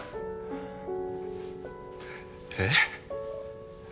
えっ？